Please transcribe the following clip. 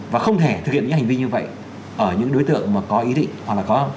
và không thể thực hiện những hành vi như vậy ở những đối tượng mà có ý định hoặc là có